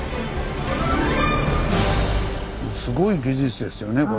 すごい技術ですよねこれ。